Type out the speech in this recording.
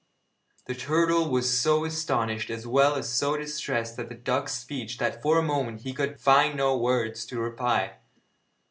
The turtle was so astonished as well as so distressed at the duck's speech that for a moment he could find no words to reply.